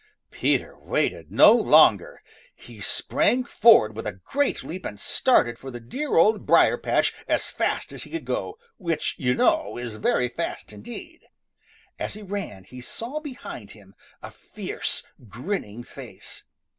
Peter waited no longer. He sprang forward with a great leap and started for the dear Old Briar patch as fast as he could go, which, you know, is very fast indeed. As he ran, he saw behind him a fierce, grinning face.